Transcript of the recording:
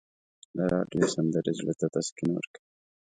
د راډیو سندرې زړه ته تسکین ورکوي.